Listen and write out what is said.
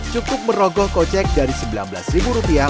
cukup merogoh kocek dari sembilan belas rupiah